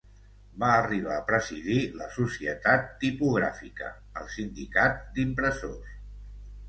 Va arribar a presidir la Societat Tipogràfica, el sindicat d'impressors.